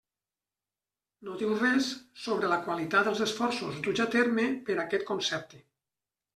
No diu res sobre la qualitat dels esforços duts a terme per aquest concepte.